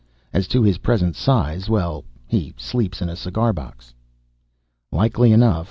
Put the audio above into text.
As to his present size well, he sleeps in a cigar box." "Likely enough.